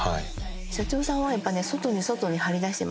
社長さんはやっぱ外に外に張り出してますね。